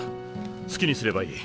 好きにすればいい。